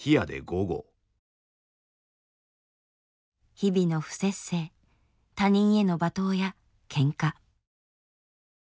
日々の不摂生他人への罵倒やケンカ。